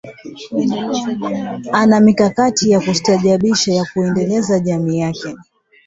Ana mikakati ya kustaajabisha ya kuiendeleza jamii yake